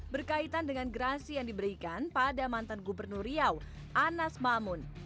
berkaitan dengan gerasi yang diberikan pada mantan gubernur riau anas mamun